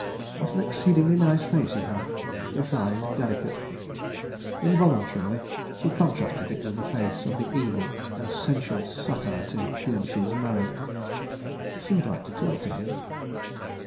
... What an exceedingly nice face he had—refined, delicate. ... Involuntarily she contrasted it with the face of the evil and sensual satyr to whom she was married. ... She would like to talk to him.